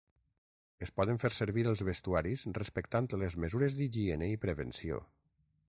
Es poden fer servir els vestuaris respectant les mesures d’higiene i prevenció.